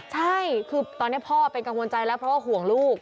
ใช่คือตอนนี้พ่อเป็นกังวลใจแล้วเพราะว่าห่วงลูก